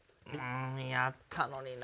あったのにな。